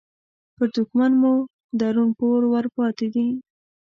پر دوښمن مو درون پور ورپاتې دې